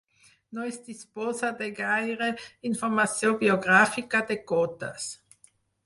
No es disposa de gaire informació biogràfica de Cotes.